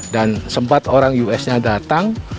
dan sempat orang us nya datang